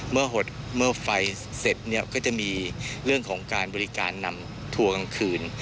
เมื่อไฟเสร็จเนี่ยก็จะมีเรื่องของการบริการนำทัวร์กลางคืน